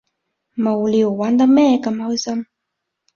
無聊，玩啲咩咁開心？